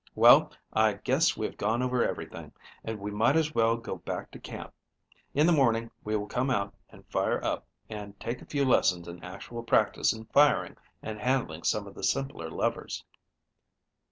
Well, I guess we have gone over everything, and we might as well go back to camp. In the morning we will come out and fire up and take a few lessons in actual practice in firing and handling some of the simpler levers."